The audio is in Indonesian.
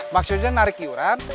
maksudnya narik uran